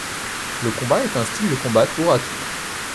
Le combat est un style de combat tour-à-tour.